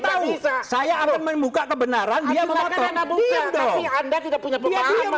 tahu saya akan membuka kebenaran dia mengatakan buka tapi anda tidak punya pemahaman punya pengaturan